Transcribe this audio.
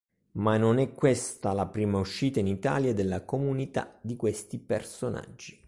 Ma non è questa la prima uscita in Italia della comunità di questi personaggi.